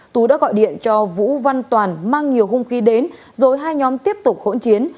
tú đã gọi điện cho vũ văn toàn mang nhiều hung khí đến rồi hai nhóm tiếp tục hỗn chiến